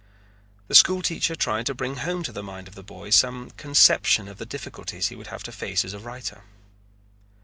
The school teacher tried to bring home to the mind of the boy some conception of the difficulties he would have to face as a writer.